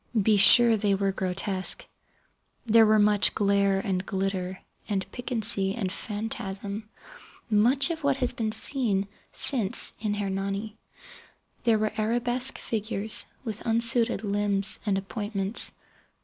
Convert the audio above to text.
Be sure they were grotesque. There were much glare and glitter and piquancy and phantasm—much of what has been since seen in "Hernani". There were arabesque figures with unsuited limbs and appointments.